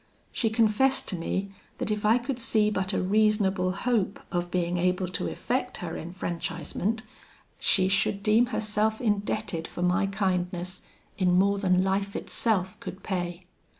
She confessed to me that if I could see but a reasonable hope of being able to effect her enfranchisement, she should deem herself indebted for my kindness in more than life itself could pay.